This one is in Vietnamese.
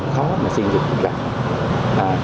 khó mà sinh dịch cũng đạt